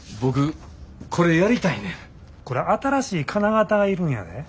これ新しい金型が要るんやで。